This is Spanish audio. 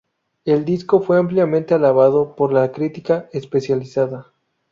El disco fue ampliamente alabado por la crítica especializada.